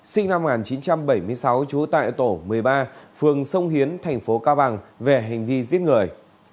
sinh năm một nghìn chín trăm bảy mươi sáu trú tại tổ một mươi ba phường sông hiến thành phố cao bằng về hành vi giết người